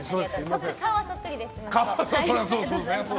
顔はそっくりです。